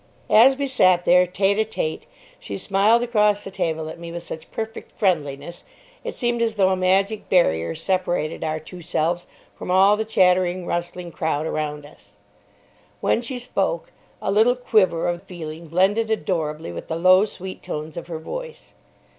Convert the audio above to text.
As we sat there tête à tête, she smiled across the table at me with such perfect friendliness, it seemed as though a magic barrier separated our two selves from all the chattering, rustling crowd around us. When she spoke, a little quiver of feeling blended adorably with the low, sweet tones of her voice.